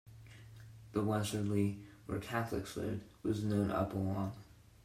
The westwardly, where Catholics lived, was known as up along.